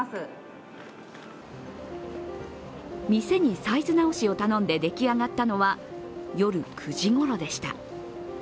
店にサイズ直しを頼んで、でき上がったのは夜９時ごろでした。